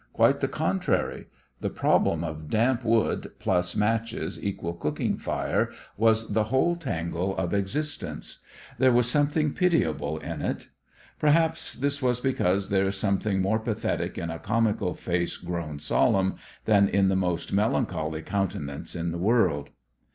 Quite the contrary. The problem of damp wood + matches = cooking fire was the whole tangle of existence. There was something pitiable in it. Perhaps this was because there is something more pathetic in a comical face grown solemn than in the most melancholy countenance in the world.